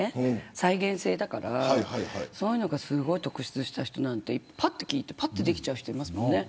再現性だからそういうのが突出した人なんてパッと聞いてパッとできちゃう人いますもんね。